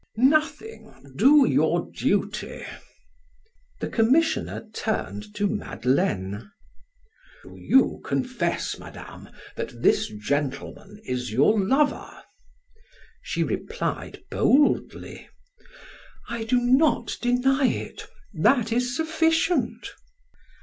"Nothing; do your duty." The commissioner turned to Madeleine: "Do you confess, Madame, that this gentleman is your lover?" She replied boldly: "I do not deny it. That is sufficient."